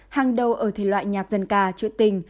hàng đầu ở thể loại nhạc dân ca trợ tình